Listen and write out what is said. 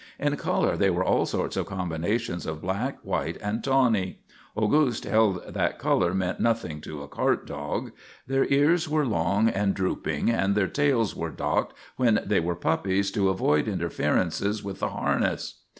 In colour they were all sorts of combinations of black, white, and tawny; Auguste held that colour meant nothing to a cart dog. Their ears were long and drooping and their tails were docked when they were puppies to avoid interference with the harness.